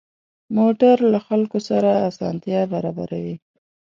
موټر له خلکو سره اسانتیا برابروي.